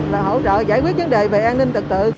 là hỗ trợ giải quyết vấn đề về an ninh trật tự